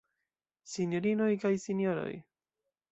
Sinjorinoj kaj Sinjoroj!